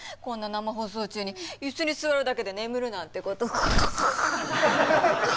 こんな生放送中に椅子に座るだけで眠るなんてこと。